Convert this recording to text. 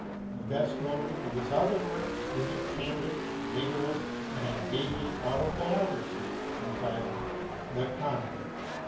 The best known of his other works is a candid, vigorous, and engaging autobiography entitled 'The Convert' (1853).